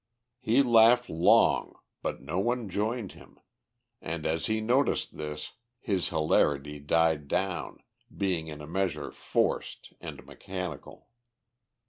He laughed long, but no one joined him, and, as he noticed this, his hilarity died down, being in a measure forced and mechanical.